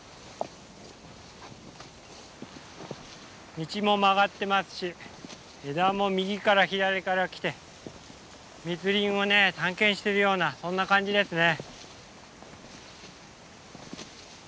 道も曲がってますし枝も右から左から来て密林を探検してるようなそんな感じですね。